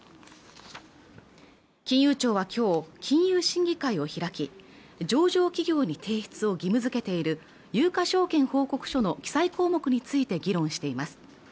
金融庁はきょう金融審議会を開き上場企業に提出を義務づけている有価証券報告書の記載項目について議論しています